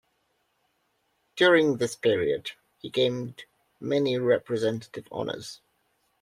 During this period, he gained many representative honours.